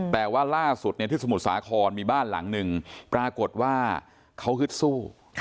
แต่ว่าล่าสุดที่สมุทรสาครมีบ้านหลังหนึ่งปรากฏว่าเขาฮึดสู้